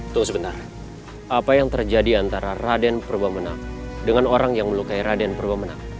tunggu sebentar apa yang terjadi antara raden purwamenang dengan orang yang melukai raden purwamenang